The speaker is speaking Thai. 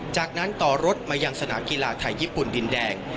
จากนั้นต่อรถมายังสนามกีฬาไทยญี่ปุ่นดินแดง